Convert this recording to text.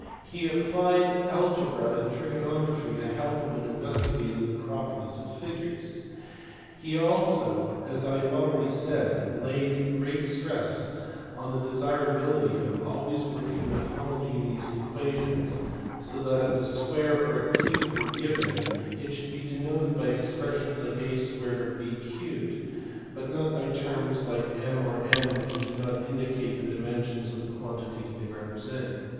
He applied algebra and trigonometry to help him in investigating the properties of figures. He also, as I have already said, laid great stress on the desirability of always working with homogeneous equations, so that if a square or a cube were given it should be denoted by expressions like a 2 or b 3 and not by terms like m or n which do not indicate the dimensions of the quantities they represent.